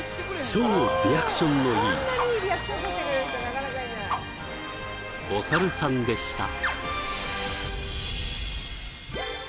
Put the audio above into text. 超リアクションのいいおサルさんでした。